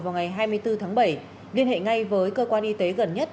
vào ngày hai mươi bốn tháng bảy liên hệ ngay với cơ quan y tế gần nhất